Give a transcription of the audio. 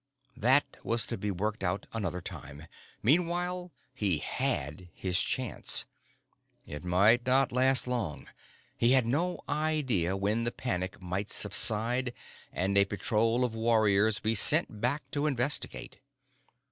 That was to be worked out another time. Meanwhile, he had his chance. It might not last long: he had no idea when the panic might subside and a patrol of warriors be sent back to investigate.